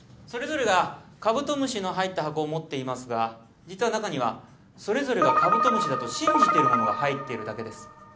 それぞれがカブトムシの入った箱を持っていますが実は中にはそれぞれがカブトムシだと信じてるものが入っているだけです。